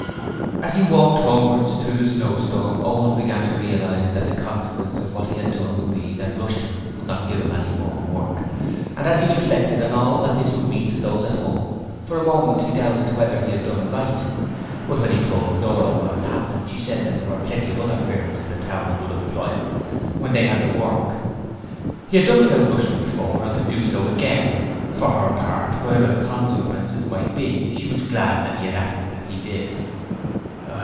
As he walked homewards through the snow storm, Owen began to realize that the consequence of what he had done would be that Rushton would not give him any more work, and as he reflected on all that this would mean to those at home, for a moment he doubted whether he had done right. But when he told Nora what had happened she said there were plenty of other firms in the town who would employ him when they had the work. He had done without Rushton before and could do so again; for her part whatever the consequences might be she was glad that he had acted as he did.